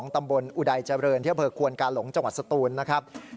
ตำบลอุดัยเจริญที่อำเภอควนกาหลงจังหวัดสตูนนะครับ